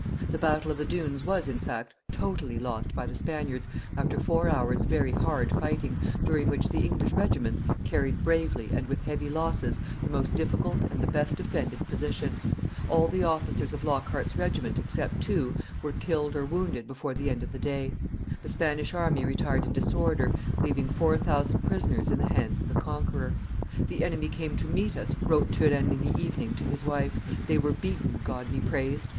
The battle of the Dunes was, in fact, totally lost by the Spaniards, after four hours' very hard fighting, during which the English regiments carried bravely, and with heavy losses, the most difficult and the best defended position; all the officers of Lockhart's regiment, except two, were killed or wounded before the end of the day; the Spanish army retired in disorder, leaving four thousand prisoners in the hands of the conqueror. 'The enemy came to meet us,' wrote Turenne, in the evening, to his wife; 'they were beaten, God be praised!